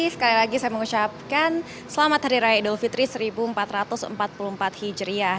sekali lagi saya mengucapkan selamat hari raya idul fitri seribu empat ratus empat puluh empat hijriah